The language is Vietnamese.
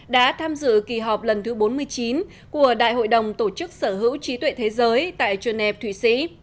đã tham dự kỳ họp lần thứ bốn mươi chín của đại hội đồng tổ chức sở hữu trí tuệ thế giới tại geneva thụy sĩ